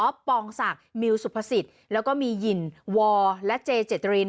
ปองศักดิ์มิวสุภสิทธิ์แล้วก็มีหยินวอร์และเจเจตริน